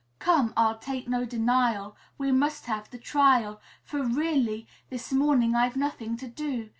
Come, I'll take no denial: We must have the trial; For really this morning I've nothing to do.'